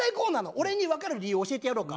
俺に分かる理由教えてやろうか？